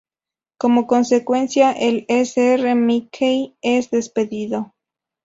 Como consecuencia, el Sr Mackey es despedido.